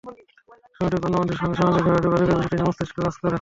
অবসর সময়টুকুতে অন্য মানুষের সঙ্গে সামাজিকভাবে যোগাযোগের বিষয়টি নিয়ে মস্তিষ্ক কাজ করে।